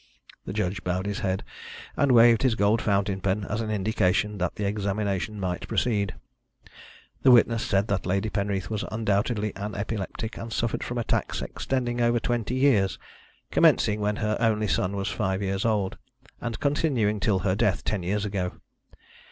The judge bowed his head and waved his gold fountain pen as an indication that the examination might proceed. The witness said that Lady Penreath was undoubtedly an epileptic, and suffered from attacks extending over twenty years, commencing when her only son was five years old, and continuing till her death ten years ago.